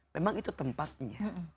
memang itu tempatnya